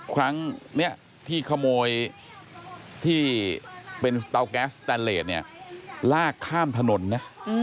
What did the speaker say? ครั้งนี้ที่ขโมยที่เป็นสเตาแก๊สสแตนเลสเนี่ยลากข้ามถนนนะ